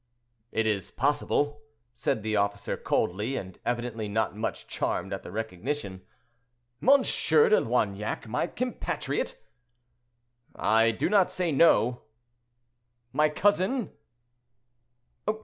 "It is possible," said the officer coldly, and evidently not much charmed at the recognition. "M. de Loignac, my compatriot?" "I do not say no." "My cousin!"